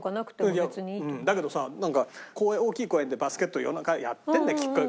だけどさ大きい公園でバスケット夜中やってんだよ。